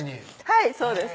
はいそうです